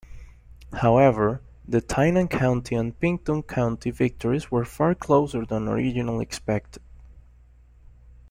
However, the Tainan County and Pingtung County victories were far closer than originally expected.